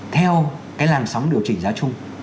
theo cái làn sóng điều chỉnh giá chung